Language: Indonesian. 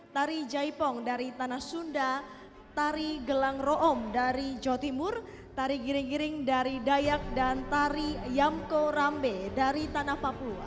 tari jaipong dari tanah sunda tari gelang room dari jawa timur tari giring giring dari dayak dan tari yamko rambe dari tanah papua